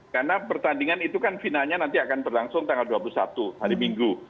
karena pertandingan itu kan finalnya nanti akan berlangsung tanggal dua puluh satu hari minggu